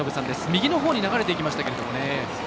右のほうに流れていきました。